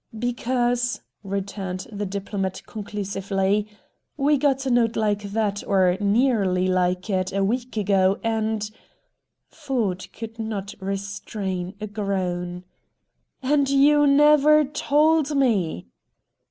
"Because," returned the diplomat conclusively, "we got a note like that, or nearly like it, a week ago, and " Ford could not restrain a groan. "And you never told me!"